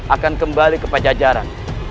akan kembali ke pajajaran